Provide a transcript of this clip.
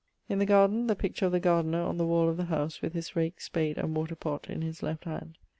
In the garden, the picture of the gardiner, on the wall of the howse, with his rake, spade, and water pott in his left hand.